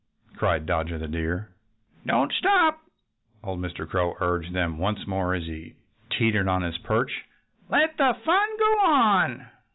cried Dodger the Deer. "Don't stop!" old Mr. Crow urged them once more as he teetered on his perch. "Let the fun go on!"